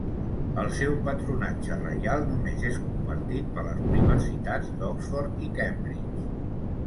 El seu patronatge reial només és compartit per les universitats d'Oxford i Cambridge.